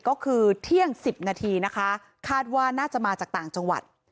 ก็คือเที่ยง๑๐นาทีนะคะคาดว่าน่าจะมาจากต่างจังหวัด